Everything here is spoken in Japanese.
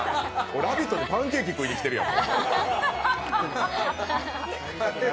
「ラヴィット！」にパンケーキ食いに来てるやん。